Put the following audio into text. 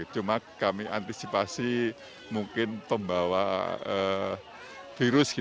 cuma kami antisipasi mungkin pembawa virus